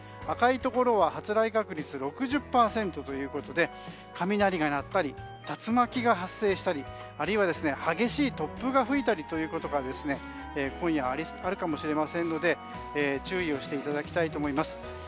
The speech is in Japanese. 赤いところは発雷確率６０％で雷が鳴ったり竜巻が発生したりあるいは、激しい突風が吹いたりということが今夜、あるかもしれませんので注意していただきたいと思います。